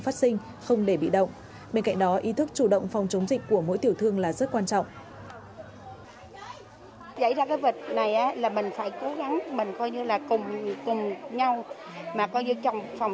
phát sinh không để bị động bên cạnh đó ý thức chủ động phòng chống dịch của mỗi tiểu thương là rất quan trọng